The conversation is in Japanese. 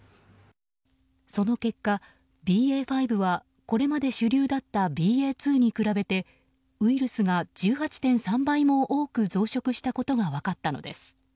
その結果、ＢＡ．５はこれまで主流だったＢＡ．２に比べてウイルスが１８．３倍も多く増殖したことが分かったのです。